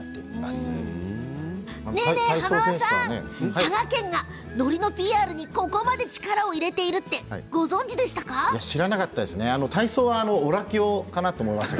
佐賀県がのりのＰＲにここまで力を入れているってご存じでしたか？